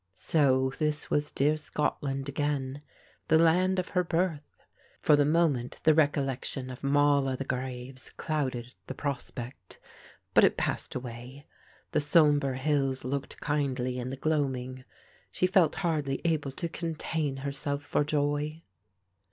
So this was dear Scotland again, the land of her birth. For the moment the recollection of "Moll o' the graves" clouded the prospect, but it passed away. The sombre hills looked kindly in the gloaming. She felt hardly able to contain herself for joy.